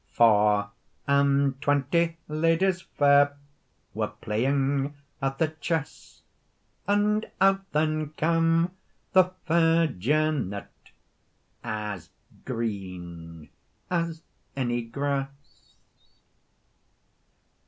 Four and twenty ladies fair Were playing at the chess, And out then cam the fair Janet, As green as onie grass.